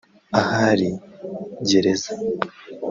ahari gereza